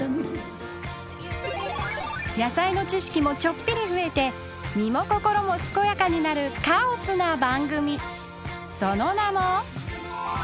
野菜の知識もちょっぴり増えて身も心も健やかになるカオスな番組。